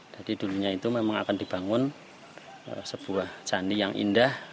jadi dulunya itu memang akan dibangun sebuah jani yang indah